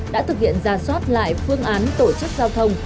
đã thực hiện ra soát lại phương án tổ chức giao thông